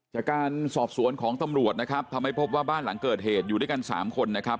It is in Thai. จากการสอบสวนของตำรวจนะครับทำให้พบว่าบ้านหลังเกิดเหตุอยู่ด้วยกัน๓คนนะครับ